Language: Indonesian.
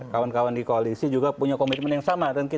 kawan kawan di koalisi juga punya komitmen yang sama